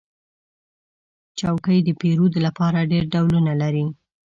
چوکۍ د پیرود لپاره ډېر ډولونه لري.